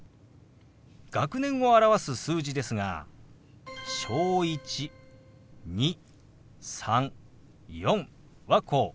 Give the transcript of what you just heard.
学年を表す数字ですが「小１」「２」「３」「４」はこう。